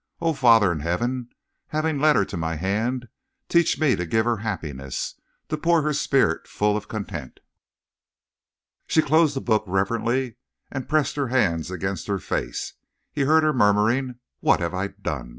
O Father in Heaven, having led her to my hand, teach me to give her happiness, to pour her spirit full of content." She closed the book reverently and pressed her hands against her face. He heard her murmuring: "What have I done?